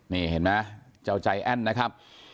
นี่เห็นไหมเจ้าใจแอ้นนะครับ